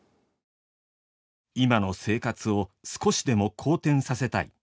今の生活を少しでも好転させたい。